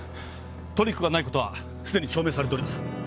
トリックがないことはすでに証明されております。